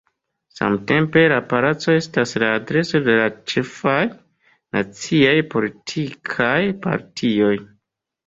Samtempe la palaco estas la adreso de la ĉefaj naciaj politikaj partioj.